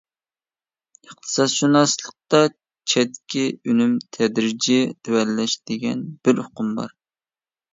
ئىقتىسادشۇناسلىقتا چەتكى ئۈنۈم تەدرىجىي تۆۋەنلەش دېگەن بىر ئۇقۇم بار.